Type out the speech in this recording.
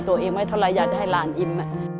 สวัสดีครับ